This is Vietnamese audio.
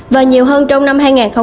và nhiều hơn trong năm hai nghìn hai mươi